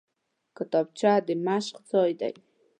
کتابچه د مشق ځای دی